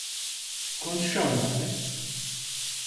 Konuş onlarla.